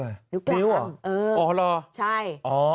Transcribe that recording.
อะไรรูปอะไรนิ้วเหรอใช่